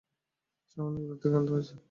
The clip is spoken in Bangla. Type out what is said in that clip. চা অনেক দূর থেকে আনতে হয়েছে।